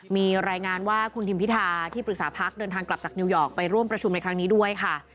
มีรายงานว่าคุณทิมพิธาที่ปรึกษาพักเดินทางกลับจากนิวยอร์กไปร่วมประชุมในครั้งนี้ด้วยค่ะ